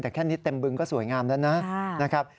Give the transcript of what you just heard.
แต่แค่นิดเต็มบึงก็สวยงามแล้วนะครับ